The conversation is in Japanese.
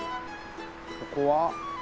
ここは？